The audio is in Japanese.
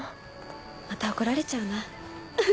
また怒られちゃうなフフフ。